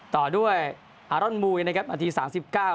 ต่อด้วยอารอนมูยนะครับนาทีสามสิบเก้า